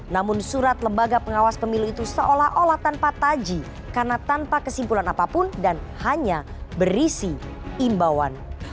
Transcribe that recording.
namun surat lembaga pengawas pemilu itu seolah olah tanpa taji karena tanpa kesimpulan apapun dan hanya berisi imbauan